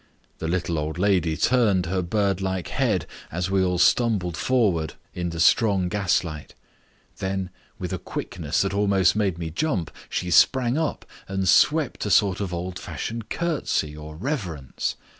The little old lady turned her bird like head as we all stumbled forward in the strong gaslight. Then, with a quickness that almost made me jump, she sprang up and swept a sort of old fashioned curtsey or reverence.